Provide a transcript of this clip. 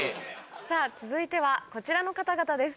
さぁ続いてはこちらの方々です。